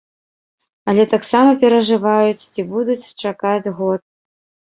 Але таксама перажываюць, ці будуць чакаць год.